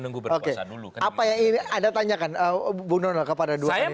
disabaminca kita dulu ya